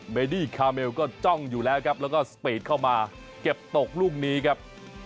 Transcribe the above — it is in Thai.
เบดี้คาเมลก็จ้องอยู่แล้วครับแล้วก็สปีดเข้ามาเก็บตกลูกนี้ครับ